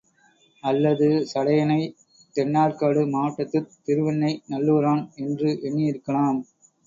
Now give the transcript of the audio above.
அல்லது சடையனைத் தென்னார்க்காடு மாவட்டத்துத் திருவெண்ணெய் நல்லூரான் என்று எண்ணியிருக்கலாம்.